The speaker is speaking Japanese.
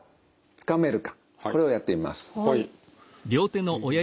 これをやってみます。